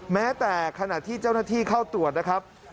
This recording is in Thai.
แม้แต่ขณะที่เจ้าหน้าที่เข้าตรวจนะครับ